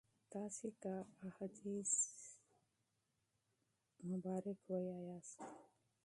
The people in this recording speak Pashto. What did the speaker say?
تاسي که احاديث مطالعه کړئ